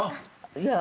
いや。